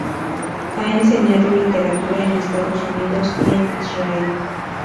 Ha enseñado literatura en Estados Unidos y en Israel.